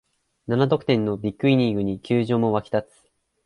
七得点のビッグイニングに球場も沸き立つ